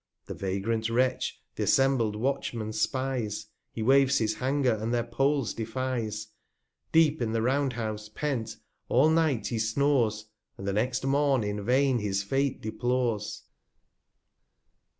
The vagrant Wretch th' assembled Watchmen spies, He waves his Hanger, and their Poles defies ; 296 Deep in the Round House pent, all Night he snores, And the next Morn in vain his Fate deplores.